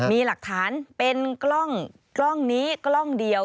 มีหลักฐานเป็นกล้องนี้กล้องเดียว